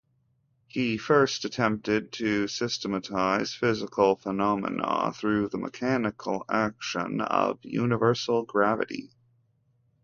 He first attempted to systematise physical phenomena, through the mechanical action of universal gravity.